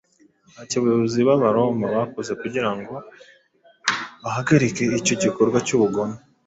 Ntacyo abayobozi b’Abaroma bakoze kugira ngo bahagarike icyo gikorwa cy’ubugome